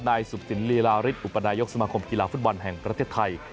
นายสุขสินลีลาริสอุปนายกสมาคมกีฬาฟุตบอลแห่งประเทศไทย